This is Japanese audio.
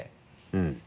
うん。